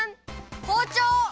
ほうちょう！